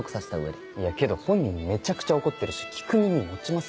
いやけど本人めちゃくちゃ怒ってるし聞く耳持ちますか？